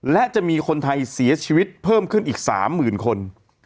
และจะมีคนไทยเสียชีวิตเพิ่มขึ้นอีก๓๐๐๐คน